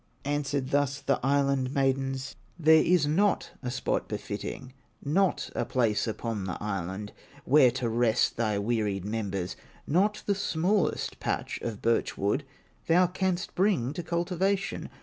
Answered thus the Island maidens: "There is not a spot befitting, Not a place upon the island, Where to rest thy wearied members, Not the smallest patch of birch wood, Thou canst bring to cultivation.